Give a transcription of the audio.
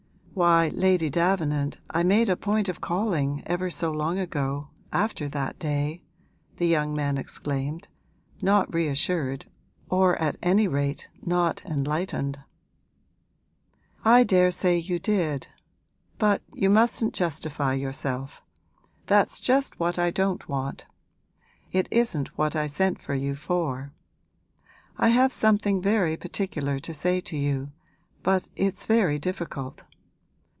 'Why, Lady Davenant, I made a point of calling, ever so long ago after that day!' the young man exclaimed, not reassured, or at any rate not enlightened. 'I daresay you did but you mustn't justify yourself; that's just what I don't want; it isn't what I sent for you for. I have something very particular to say to you, but it's very difficult.